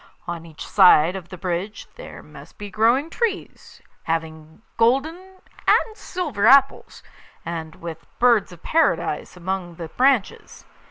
On each side of the bridge there must be growing trees, having golden and silver apples, and with birds of Paradise among the branches.